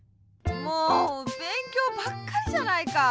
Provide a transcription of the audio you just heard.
もうべんきょうばっかりじゃないか。